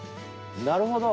なるほど！